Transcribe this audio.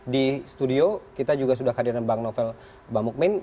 di studio kita juga sudah hadirin bang novel bang mukmin